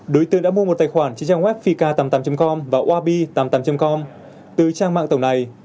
đối tượng đã mua một tài khoản trên trang web fik tám mươi tám com và wabi tám mươi tám com từ trang mạng tổng này